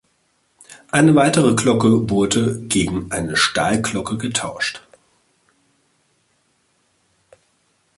Eine weitere Glocke wurde gegen eine Stahlglocke getauscht.